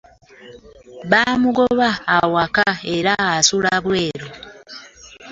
Bamugoba awaka era asula bweru.